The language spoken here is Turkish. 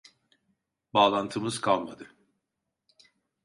Bağlantımız kalmadı